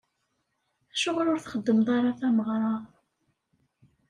Acuɣer ur txeddmeḍ ara tameɣra?